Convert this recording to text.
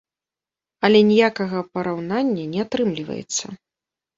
Але ніякага параўнання не атрымліваецца.